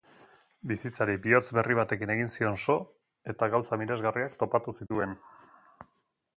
Bizitzari bihotz berri batekin egin zion so eta gauza miresgarriak topatu zituen.